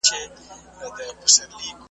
په ازل کي یې لیکلې یو له بله دښمني ده `